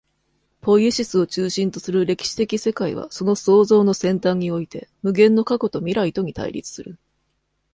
ポイエシスを中心とする歴史的世界は、その創造の尖端において、無限の過去と未来とに対立する。